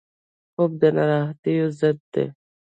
خوب د ناراحتیو ضد دی